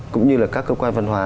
cũng như là các cơ quan văn hóa